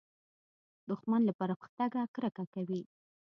دښمن له پرمختګه کرکه کوي